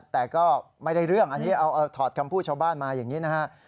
แต่ก็ไม่ได้เรื่องอันนี้เอาถอดคำพูดชาวบ้านมาอย่างนี้นะฮะ